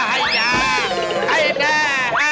ไอ้แด่